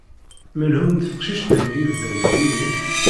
Menhu n teqcict-nni ibedden dihin?